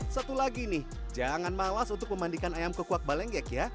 satu lagi nih jangan malas untuk memandikan ayam ke kuak balengek ya